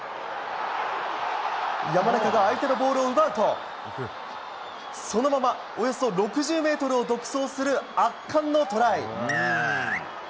山中が相手のボールを奪うとそのままおよそ６０ｍを独走する圧巻のトライ。